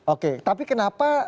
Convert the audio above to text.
oke tapi kenapa